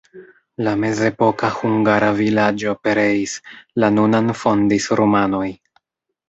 La mezepoka hungara vilaĝo pereis, la nunan fondis rumanoj.